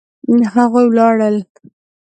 هغوی ولاړل